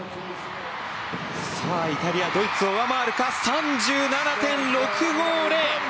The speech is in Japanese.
イタリアはドイツを上回るか。３７．６５０！